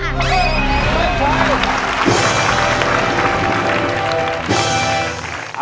ไม่ใช้